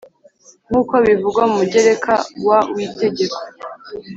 nk uko bivugwa mu mugereka wa w Itegeko